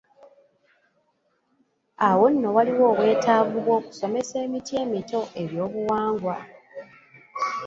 Awo nno waliwo obwetaavu bw’okusomesa emiti emito ebyobuwangwa..